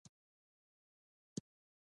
آزاد تجارت مهم دی ځکه چې کمپیوټرونه رسوي.